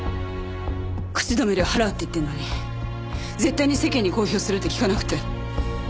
口止め料払うって言ってるのに絶対に世間に公表するって聞かなくて。